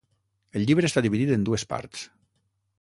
El llibre està dividit en dues parts.